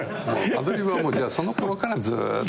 アドリブはもうそのころからずーっと。